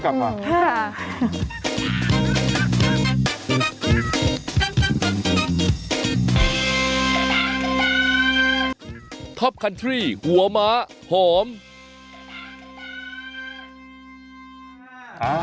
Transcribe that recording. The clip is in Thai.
หลายสิ่งนะ